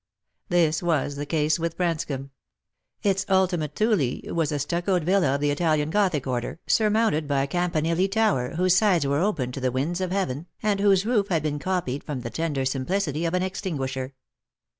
This was the case with Branscomb. Its ultima thule was a stuccoed villa of the Italian gothic order, surmounted by a campanile tower, whose sides were open to the winds of heaven, 118 Lost for Love, and whose roof had been copied from the tender simplicity of an extinguisher.